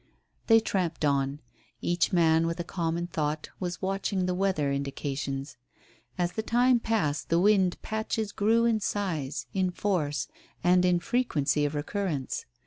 They tramped on. Each man, with a common thought, was watching the weather indications. As the time passed the wind "patches" grew in size, in force, and in frequency of recurrence.